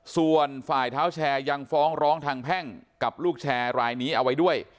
ส่วนฝ่ายเท้าแชร์ยังฟ้องร้องทางแพ่งกับลูกแชร์รายนี้เอาไว้ด้วย